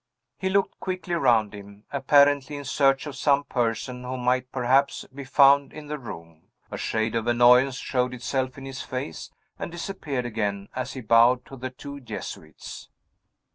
He looked quickly round him apparently in search of some person who might, perhaps, be found in the room. A shade of annoyance showed itself in his face, and disappeared again, as he bowed to the two Jesuits.